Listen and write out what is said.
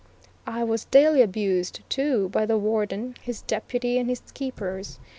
I was daily abused, too, by the Warden, his Deputy, and his keepers.